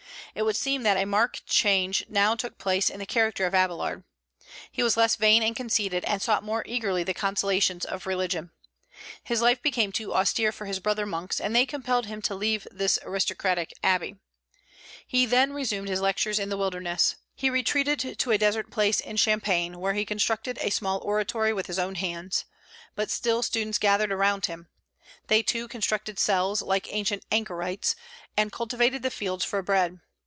It would seem that a marked change now took place in the character of Abélard. He was less vain and conceited, and sought more eagerly the consolations of religion. His life became too austere for his brother monks, and they compelled him to leave this aristocratic abbey. He then resumed his lectures in the wilderness. He retreated to a desert place in Champagne, where he constructed a small oratory with his own hands. But still students gathered around him. They, too, constructed cells, like ancient anchorites, and cultivated the fields for bread.